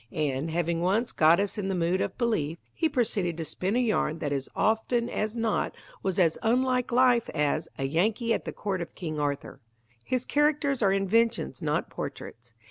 And, having once got us in the mood of belief, he proceeded to spin a yarn that as often as not was as unlike life as A Yankee at the Court of King Arthur. His characters are inventions, not portraits.